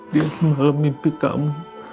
dia semalam mimpi kamu